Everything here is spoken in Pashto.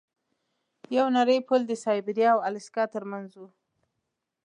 یو نری پل د سایبریا او الاسکا ترمنځ و.